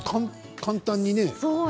簡単にね。